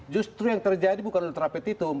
justru yang terjadi bukan ultra petitum